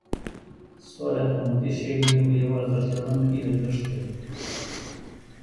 سوله قیمتي شی دی خو یو ارزښت لرونکی لګښت دی.